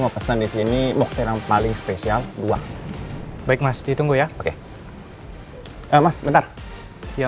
pegangnya ya awas pecahan nanti ya